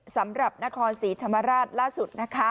สำหรับนครศรีธรรมราชล่าสุดนะคะ